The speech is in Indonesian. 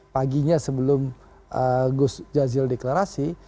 paginya sebelum gus jazil deklarasi